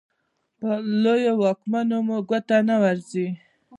په لویو واکمنو مو ګوته نه ورځي.